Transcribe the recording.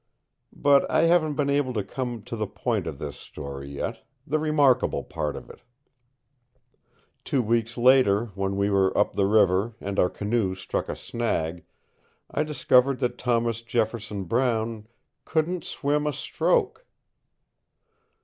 But I haven't been able to come to the point of this story yet the remarkable part of it. Two weeks later, when we were up the river and our canoe struck a snag, I discovered that Thomas Jefferson Brown "couldn't swim a stroke!"